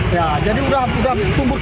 ya jadi udah tumbuh tumburan